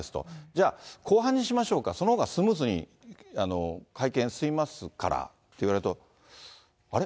じゃあ、後半にしましょうか、そのほうがスムーズに会見進みますからって言われると、あれ？